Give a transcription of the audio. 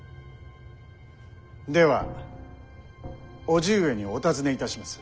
では伯父上にお尋ねいたします。